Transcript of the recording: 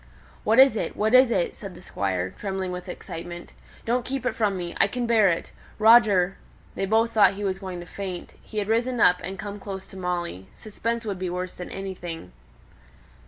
"What is it? What is it?" said the Squire, trembling with excitement. "Don't keep it from me. I can bear it. Roger " They both thought he was going to faint; he had risen up and come close to Molly; suspense would be worse than anything.